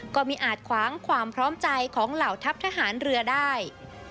ไม่อาจขวางความพร้อมใจของเหล่าทัพทหารเรือได้